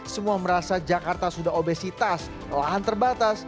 semua merasa jakarta sudah obesitas lahan terbatas